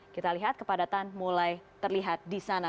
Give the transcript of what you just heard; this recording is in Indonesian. kita lihat kepadatan mulai terlihat di sana